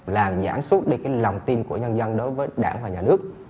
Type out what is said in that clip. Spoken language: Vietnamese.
làm giảm xuất đi lòng tin của nhân dân đối với đảng và nhà nước